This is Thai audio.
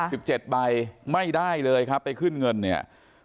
สิบเจ็ดใบไม่ได้เลยครับไปขึ้นเงินเนี่ย